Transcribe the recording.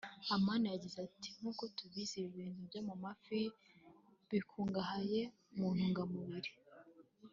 Amani yagize ati “ Nkuko tubizi ibintu byo mu mafi bikungahaye mu ntungamubiri